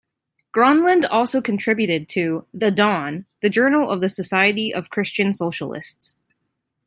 Gronlund also contributed to "The Dawn", the journal of the Society of Christian Socialists.